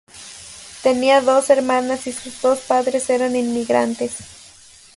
Tenía dos hermanas y sus dos padres eran inmigrantes.